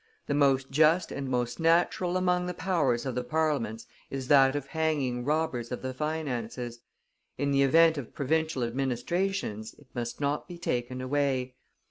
The most just and most natural among the powers of the parliaments is that of hanging robbers of the finances. In the event of provincial administrations, it must not be taken away.